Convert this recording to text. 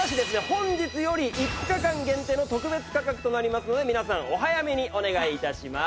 本日より５日間限定の特別価格となりますので皆さんお早めにお願い致します。